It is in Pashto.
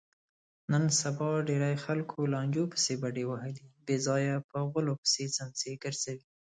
نن سبا ډېری خلکو لانجو پسې بډې وهلي دي، بېځایه غولو پسې څمڅې ګرځوي.